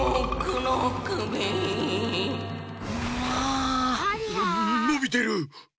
のびてる！